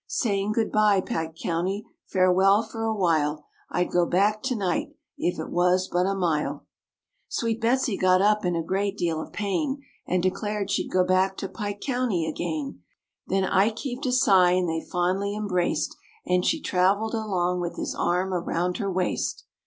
Saying, good bye, Pike County, Farewell for a while; I'd go back to night If it was but a mile. Sweet Betsy got up in a great deal of pain And declared she'd go back to Pike County again; Then Ike heaved a sigh and they fondly embraced, And she traveled along with his arm around her waist.